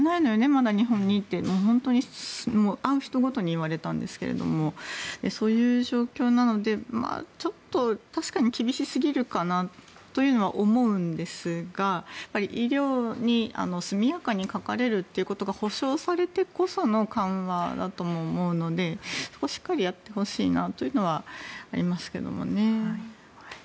まだ日本にと本当に会う人ごとに言われたんですけれどもそういう状況なのでちょっと確かに厳しすぎるかなというのは思うんですが医療に速やかにかかれるということが保証されてこその緩和だと思うのでそこをしっかりやってほしいなというのはありますけどもね。